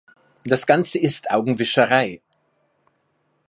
Das Ganze ist Augenwischerei!